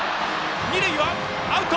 二塁はアウト！